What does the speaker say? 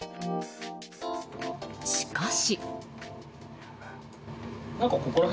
しかし。